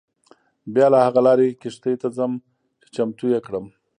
بیا له هغه لارې کښتۍ ته ځم چې چمتو یې کړم.